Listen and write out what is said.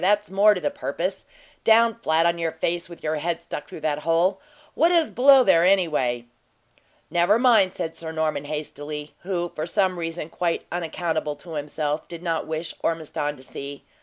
that's more to the purpose. Down flat on your face, with your head stuck through that hole. What is below there, anyway?" "Never mind," said Sir Norman, hastily, who, for some reason quite unaccountable to himself, did not wish Ormiston to see.